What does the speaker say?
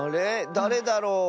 だれだろう。